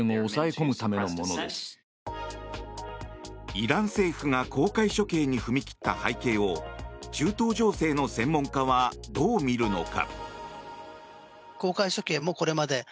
イラン政府が公開処刑に踏み切った背景を中東情勢の専門家はどう見るのか。